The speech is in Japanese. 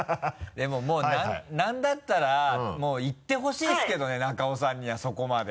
でももうなんだったらもういってほしいですけどね中尾さんにはそこまで。